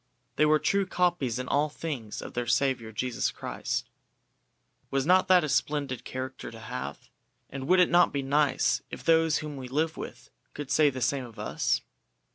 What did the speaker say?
They were true copies in all things of their Saviour Jesus Christ." Was not that a splendid character to have, and would it not be nice if those whom we live with could say the same of us?